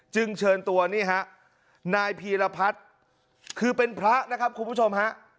เชิญตัวนี่ฮะนายพีรพัฒน์คือเป็นพระนะครับคุณผู้ชมฮะ